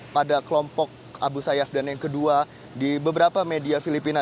pada kelompok abu sayyaf dan yang kedua di beberapa media filipina